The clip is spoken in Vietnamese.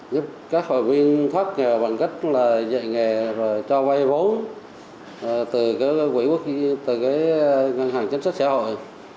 giúp các hội viên thoát nghề bằng cách là dạy nghề rồi cho vay vốn từ cái ngân hàng chính sách xã hội